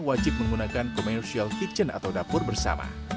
wajib menggunakan commercial kitchen atau dapur bersama